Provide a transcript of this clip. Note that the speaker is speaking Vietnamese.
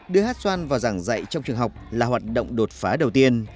đưa hát xoan vào giảng dạy trong trường học là hoạt động đột phá đầu tiên